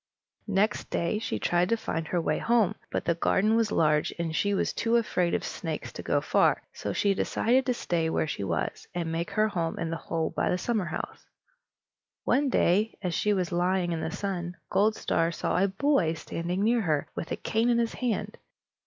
Next day she tried to find her way home, but the garden was large, and she was too afraid of snakes to go far; so she decided to stay where she was, and make her home in the hole by the summerhouse. One day, as she was lying in the sun, Goldstar saw a boy standing near her, with a cane in his hand.